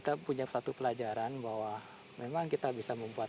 semoga ul capb yang ingin ber chop